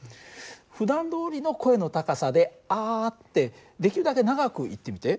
ふだんどおりの声の高さで「あ」ってできるだけ長く言ってみて。